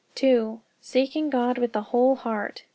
Seeking God with the whole heart.